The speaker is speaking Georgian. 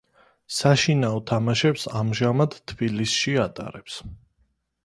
საშინაო თამაშებს ამჟამად თბილისში ატარებს.